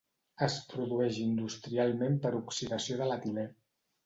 Es produeix industrialment per oxidació de l'etilè.